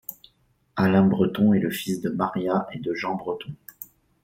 Alain Breton est le fils de Maria et de Jean Breton.